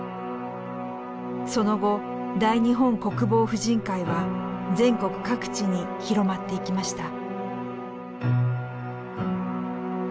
その後大日本国防婦人会は全国各地に広まっていきました。